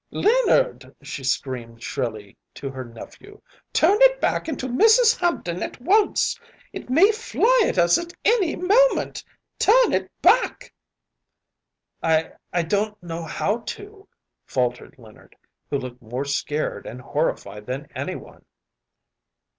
‚ÄúLeonard!‚ÄĚ she screamed shrilly to her nephew, “turn it back into Mrs. Hampton at once! It may fly at us at any moment. Turn it back!‚ÄĚ ‚ÄúI‚ÄĒI don’t know how to,‚ÄĚ faltered Leonard, who looked more scared and horrified than anyone.